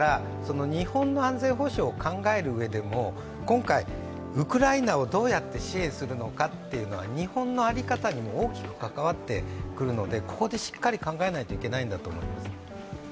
日本の安全保障を考えるうえでも、今回、ウクライナをどうやって支援するのかというのは日本の在り方にも大きく関わってくるのでここでしっかり考えないといけないんだと思います。